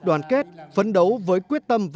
đoàn kết phấn đấu với quyết tâm